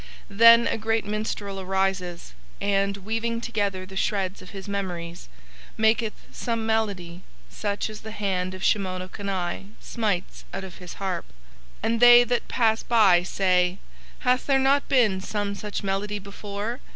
Then a great minstrel arises, and, weaving together the shreds of his memories, maketh some melody such as the hand of Shimono Kani smites out of his harp; and they that pass by say: 'Hath there not been some such melody before?